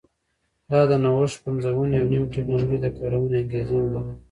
دا د نوښت، پنځونې او نوې ټکنالوژۍ د کارونې انګېزې هم لري.